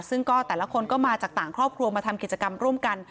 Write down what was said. ซึ่งก็แต่ละคนก็มาจากต่างครอบครัวมาทำกิจกรรมร่วมกัน